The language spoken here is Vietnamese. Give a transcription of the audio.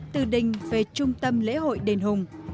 từ đình về trung tâm lễ hội đền hùng